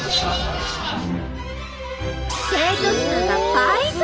生徒数が倍増！